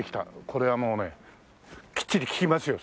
これはもうねきっちり聞きますよ